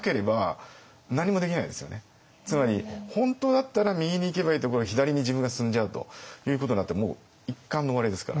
つまり本当だったら右に行けばいいところを左に自分が進んじゃうということになってもう一巻の終わりですから。